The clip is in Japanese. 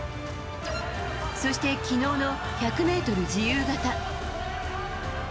そして、昨日の１００ｍ自由形。